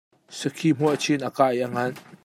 Sakhi hmuahchih in a kah i a nganh.